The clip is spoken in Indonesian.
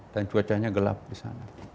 dan cuacanya gelap di sana